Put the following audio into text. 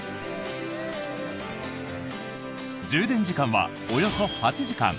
充電時間は、およそ８時間。